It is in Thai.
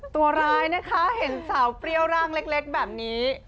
ตัวร้ายนะคะเห็นสาวเปรี้ยวร่างเล็กแบบนี้